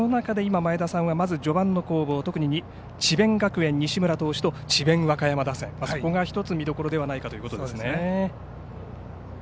その中で今前田さんは序盤の特に智弁学園、西村投手と智弁和歌山打線、そこが特に見どころではないかというところですね。